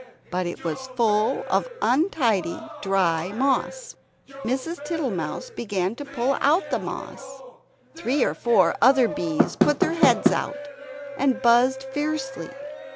But it was full of untidy dry moss. Mrs. Tittlemouse began to pull out the moss. Three or four other bees put their heads out, and buzzed fiercely.